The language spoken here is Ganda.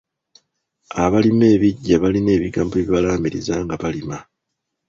Abalima ebiggya balina ebigambo bye balaamiriza nga balima.